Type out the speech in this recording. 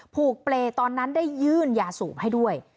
ผูกเปรย์ตอนนั้นได้ยื่นยาสูบให้ด้วย